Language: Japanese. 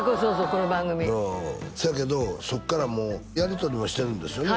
この番組そやけどそっからもうやりとりもしてるんですよね？